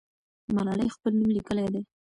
ملالۍ خپل نوم لیکلی دی.